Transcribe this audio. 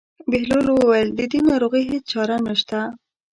بهلول وویل: د دې ناروغۍ هېڅ چاره نشته.